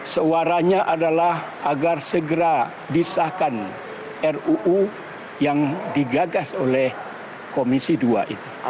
suaranya adalah agar segera disahkan ruu yang digagas oleh komisi dua itu